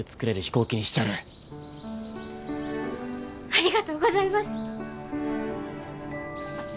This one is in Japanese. ありがとうございます！